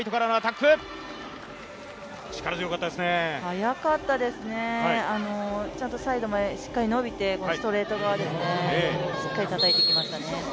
速かったですね、ちゃんとサイドまで伸びて、ストレート側ですね、しっかりたたいていきましたね。